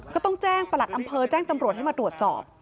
ก็ต้องแจ้งประหลัดอำเภอแจ้งตำรวจให้มาตรวจสอบ